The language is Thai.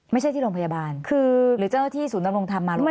ไม่ใช่ที่โรงพยาบาลหรือเจ้าที่ศูนย์นำรวงธรรมมาโรงเรียน